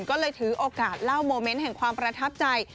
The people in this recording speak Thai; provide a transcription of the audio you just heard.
ก็เลยถือโอกาสเล่าโมเมนต์แห่งความประทับใจ